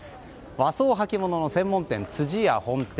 和装履物の専門店、辻谷本店。